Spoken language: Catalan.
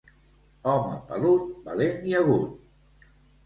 Home pelut, valent i agut.